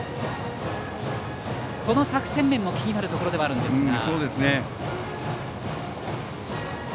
この作戦面も気になるところですが。